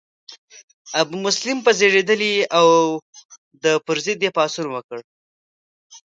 ابومسلم په زیږیدلی او د پر ضد یې پاڅون وکړ.